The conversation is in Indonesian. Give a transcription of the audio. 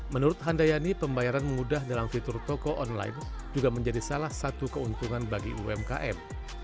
menurut handayani pembayaran mudah dalam fitur toko online juga menjadi salah satu keuntungan bagi umkm